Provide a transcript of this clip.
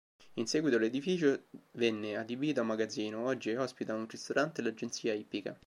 In seguito l'edificio venne adibito a magazzino, oggi ospita un ristorante e l'agenzia ippica.